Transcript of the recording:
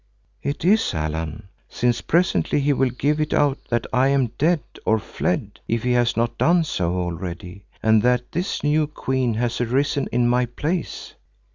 "It is, Allan, since presently he will give it out that I am dead or fled, if he has not done so already, and that this new queen has arisen in my place.